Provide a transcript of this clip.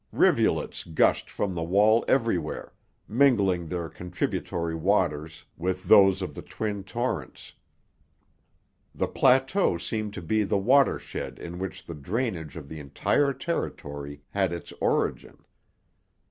Rivulets gushed from the wall everywhere, mingling their contributory waters with those of the twin torrents. The plateau seemed to be the watershed in which the drainage of the entire territory had its origin.